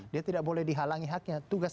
dia tidak boleh dihalangi haknya tugas